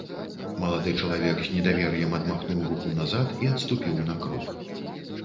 Малады чалавек з недавер'ем адмахнуў руку назад і адступіў на крок.